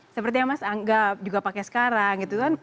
seperti yang mas anggap juga pakai sekarang gitu kan